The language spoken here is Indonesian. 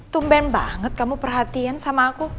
tumben banget kamu perhatian sama aku